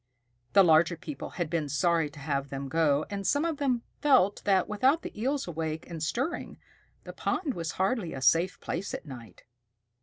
The larger people had been sorry to have them go, and some of them felt that without the Eels awake and stirring, the pond was hardly a safe place at night.